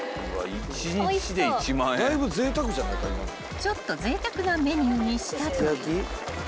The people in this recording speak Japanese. ［ちょっとぜいたくなメニューにしたという］